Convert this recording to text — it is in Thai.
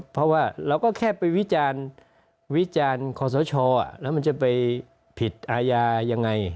เพราะว่าเราก็แค่ไปวิจารณ์วิจารณ์คอสชแล้วมันจะไปผิดอาญายังไง